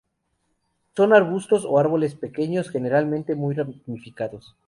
Son arbustos o árboles pequeños, generalmente muy ramificados.